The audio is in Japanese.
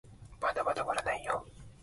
まだまだ終わらないよ